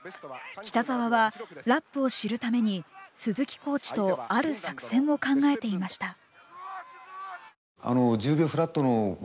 北沢はラップを知るために鈴木コーチとある作戦を考えていました。